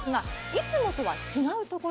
いつもと違うところ？